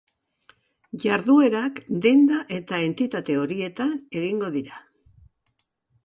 Jarduerak denda eta entitate horietan egingo dira.